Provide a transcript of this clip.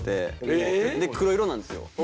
えーっ？で黒色なんですよ。